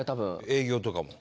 営業とかも？